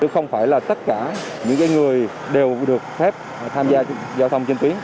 không phải là tất cả những người đều được phép tham gia giao thông trên tuyến